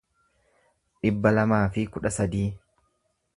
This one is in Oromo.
dhibba lamaa fi kudha sadii